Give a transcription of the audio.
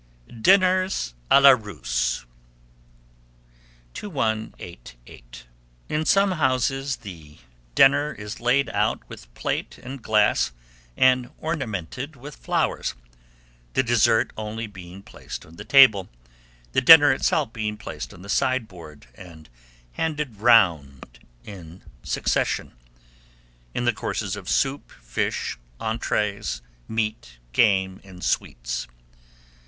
DINNERS À LA RUSSE. 2188. In some houses the table is laid out with plate and glass, and ornamented with flowers, the dessert only being placed on the table, the dinner itself being placed on the sideboard, and handed round in succession, in courses of soup, fish, entries, meat, game, and sweets.